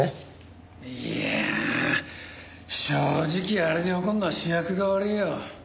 いやあ正直あれで怒るのは主役が悪いよ。